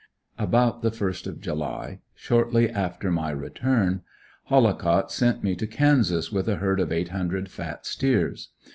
About the first of July, shortly after my return, Hollicott sent me to Kansas with a herd of eight hundred fat steers.